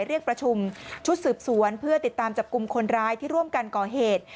เรียกประชุมชุดสืบสวนเพื่อติดตามจับกลุ่มคนร้ายที่ร่วมกันก่อเหตุ